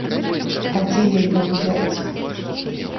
А дзе яе ўзяць?